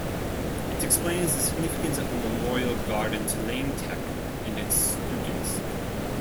It explains the significance of the Memorial Garden to Lane Tech and its students.